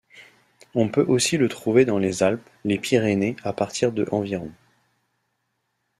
On peut aussi le trouver dans les Alpes, les Pyrénées à partir de environ.